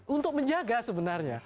untuk menjaga sebenarnya